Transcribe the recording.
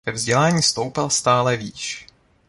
Ve vzdělání stoupal stále výš.